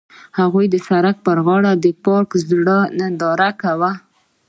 هغوی د سړک پر غاړه د پاک زړه ننداره وکړه.